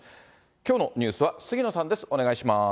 きょうのニュースは杉野さんです。